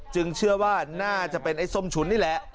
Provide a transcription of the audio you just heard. เชื่อว่าน่าจะเป็นไอ้ส้มฉุนนี่แหละ